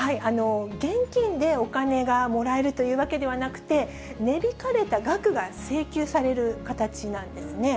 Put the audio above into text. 現金でお金がもらえるというわけではなくて、値引かれた額が請求される形なんですね。